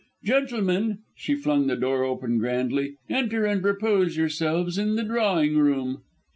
Gentlemen," she flung open the door grandly, "enter, and repose yourselves in the drawing room."